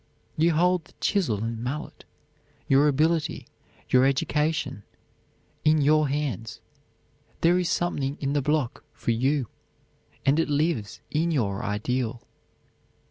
You hold the chisel and mallet your ability, your education in your hands. There is something in the block for you, and it lives in your ideal.